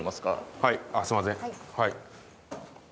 はいすいませんはい。